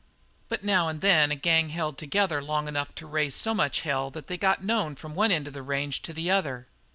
"But now and then a gang held together long enough to raise so much hell that they got known from one end of the range to the other.